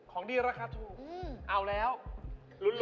ของดีราคาถูกเอาแล้วลุ้นเลย